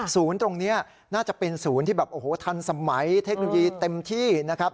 ตรงนี้น่าจะเป็นศูนย์ที่แบบโอ้โหทันสมัยเทคโนโลยีเต็มที่นะครับ